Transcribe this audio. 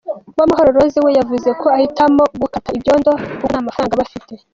Uwamahoro Rose, we yavuze ko ahitamo gukata ibyondo kuko nta mafaranga aba afite.